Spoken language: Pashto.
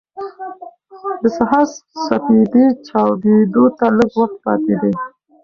د سهار سپېدې چاودېدو ته لږ وخت پاتې دی.